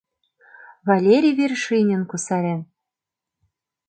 Валерий Вершинин кусарен